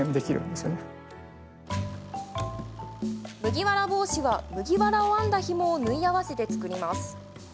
麦わら帽子は麦わらを編んだひもを縫い合わせて作ります。